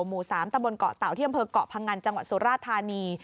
หมู่๓ตะบนเกาะเต่าที่อำเภอกเกาะพังงันจังหวัดสุราธานี